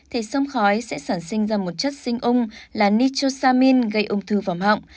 thì sông khói sẽ sản sinh ra một chất sinh ung là nichosamin gây ung thư vòng họng